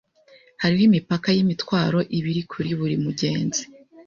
Hariho imipaka yimitwaro ibiri kuri buri mugenzi.